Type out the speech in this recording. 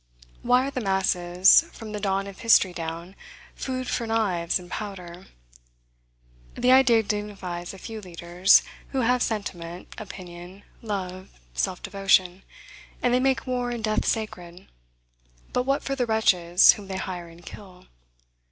Why are the masses, from the dawn of history down, food for knives and powder? The idea dignifies a few leaders, who have sentiment, opinion, love, self devotion; and they make war and death sacred; but what for the wretches whom they hire and kill?